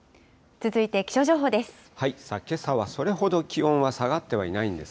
続いて気象情報です。